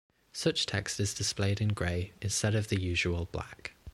Such text is displayed in gray instead of the usual black.